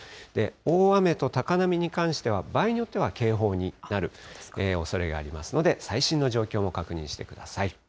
大雨と高波に関しては場合によっては警報になるおそれがありますので、最新の状況も確認してください。